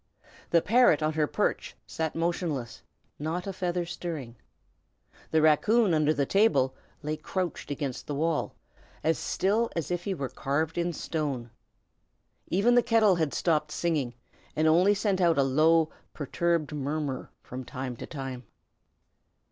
The parrot on her perch sat motionless, not a feather stirring; the raccoon under the table lay crouched against the wall, as still as if he were carved in stone. Even the kettle had stopped singing, and only sent out a low, perturbed murmur from time to time.